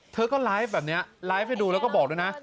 เธอก็ไลฟ์แบบนี้ไลฟ์ให้ดูแล้วก็บอกด้วยนะ